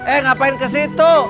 eh ngapain ke situ